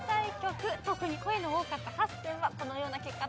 特に声の多かった８選はこのような結果となりました。